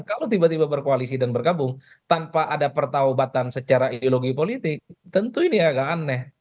kalau tiba tiba berkoalisi dan bergabung tanpa ada pertaobatan secara ideologi politik tentu ini agak aneh